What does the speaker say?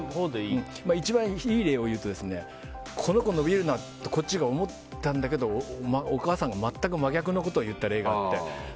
一番いい例を言うとこの子、伸びるなとこっちが思ったんだけどお母さんが全く真逆のことを言う。